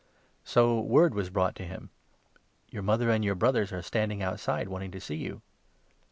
So word was brought to him — 20 ' Your mother and your brothers are standing outside, wanting to see you.'